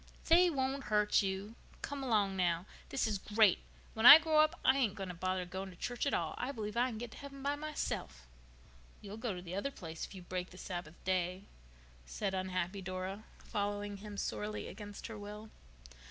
"They won't hurt you. Come along, now. This is great. When I grow up I ain't going to bother going to church at all. I believe I can get to heaven by myself." "You'll go to the other place if you break the Sabbath day," said unhappy Dora, following him sorely against her will.